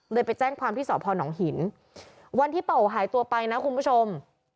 เลยไปแจ้งความที่สอบพอหนองหินวันที่ป้าโอ๋หายตัวไปนะคุณผู้ชม